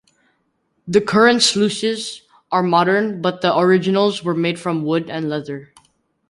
The current sluices are modern, but the originals were made from wood and leather.